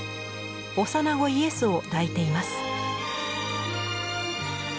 幼子イエスを抱いています。